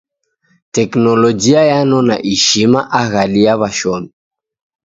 Teknologia yanona ishima aghadi ya washomi.